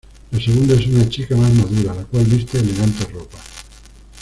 La segunda es una chica más madura, la cual viste elegantes ropas.